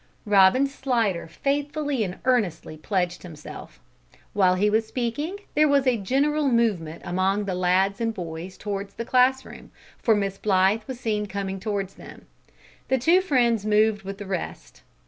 Robin Slidder faithfully and earnestly pledged himself. While he was speaking there was a general movement among the lads and boys towards the class room, for Miss Blythe was seen coming towards them. The two friends moved with the rest.